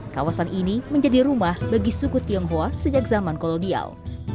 kawasan ini menjadi rumah bagi suku tionghoa sejak zaman kolonial